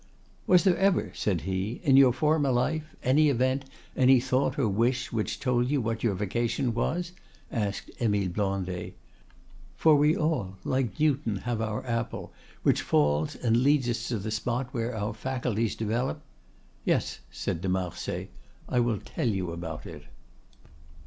"Was there ever," said he, "in your former life, any event, any thought or wish which told you what your vocation was?" asked Émile Blondet; "for we all, like Newton, have our apple, which falls and leads us to the spot where our faculties develop——" "Yes," said de Marsay; "I will tell you about it."